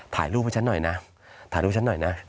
ถ่ายรูปให้ฉันหน่อยนะ